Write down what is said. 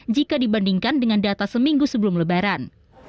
jika dibandingkan dengan data seminggu sebelum lebaran